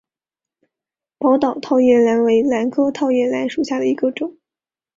宝岛套叶兰为兰科套叶兰属下的一个种。